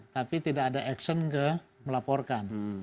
tapi tidak ada aksi melaporkan